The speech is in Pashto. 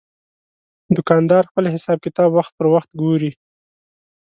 دوکاندار خپل حساب کتاب وخت پر وخت ګوري.